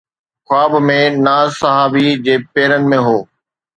خواب ۾ ناز صحابي جي پيرن ۾ هو